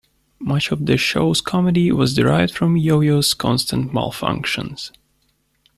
Much of the show's comedy was derived from Yoyo's constant malfunctions.